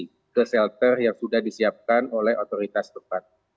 ada selter yang sudah disiapkan oleh otoritas tempat